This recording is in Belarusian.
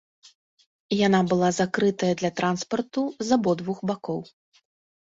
Яна была закрытая для транспарту з абодвух бакоў.